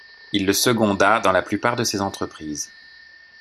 Il le seconda dans la plupart de ses entreprises.